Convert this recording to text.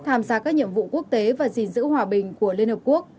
tham gia các nhiệm vụ quốc tế và gìn giữ hòa bình của liên hợp quốc